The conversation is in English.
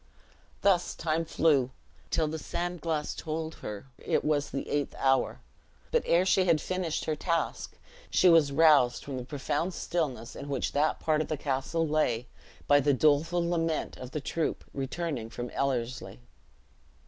Thus time flew, till the sand glass told her it was the eighth hour. But ere she had finished her task, she was roused from the profound stillness in which that part of the castle lay, by the doleful lament of the troop returning from Ellerslie.